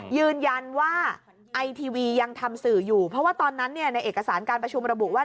ยืนยันว่าไอทีวียังทำสื่ออยู่เพราะว่าตอนนั้นเนี่ยในเอกสารการประชุมระบุว่า